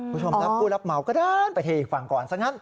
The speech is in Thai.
คุณผู้ชมครับผู้รับเหมาก็ด้านไปเทอีกฝั่งก่อนซะงั้น